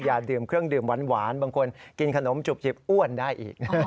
อย่าดื่มเครื่องดื่มหวานบางคนกินขนมจุบจิบอ้วนได้อีก